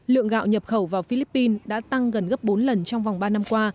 lượng gạo nhập khẩu vào philippines đã tăng gần gấp bốn lần trong vòng ba năm qua